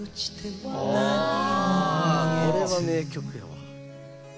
これは名曲やわ。